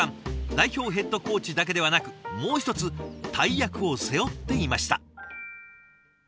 代表ヘッドコーチだけではなくもう一つ大役を背負っていました。